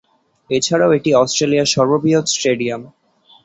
এছাড়াও এটি অস্ট্রেলিয়ার সর্ববৃহৎ স্টেডিয়াম।